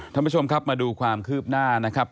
ท่านผู้ชมครับมาดูความคืบหน้านะครับ